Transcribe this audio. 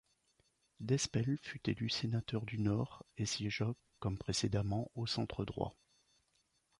D'Hespel fut élu sénateur du Nord et siégea, comme précédemment, au centre droit.